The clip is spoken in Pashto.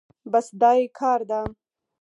بس دا يې کار ده.